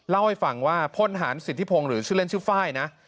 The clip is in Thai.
เล่าให้ฟังว่าพลฐานสิทธิพงศ์หรือชื่อเล่นชื่อไฟล์นะ